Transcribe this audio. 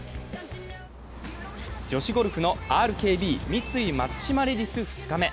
女子ゴルフのＲＫＢ×三井松島レディス２日目。